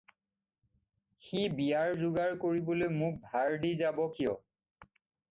সি বিয়াৰ যোগাৰ কৰিবলৈ মোক ভাৰ দি যাব কিয়?